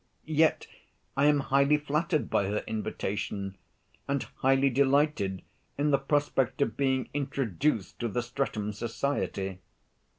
Yet I am highly flattered by her invitation, and highly delighted in the prospect of being introduced to the Streatham society.